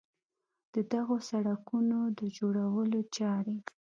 د دغو سړکونو د جوړولو چارې